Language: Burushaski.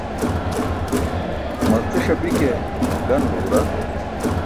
Malciṣ api ke ganulo ġura.